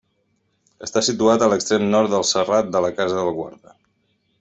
Està situat a l'extrem nord del Serrat de la Casa del Guarda.